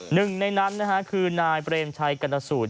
หนึ่งในนั้นคือนายเบรมชัยกันทสูตร